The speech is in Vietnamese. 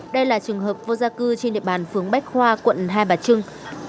đây là trường hợp vô gia cư trên địa bàn phường bách khoa quận hai bà trưng